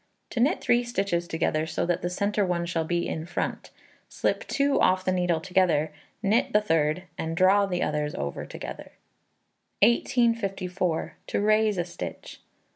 To knit three stitches together, so that the centre one shall be in front. Slip 2 off the needle together knit the third, and draw the others over together. 1854. To Raise a Stitch.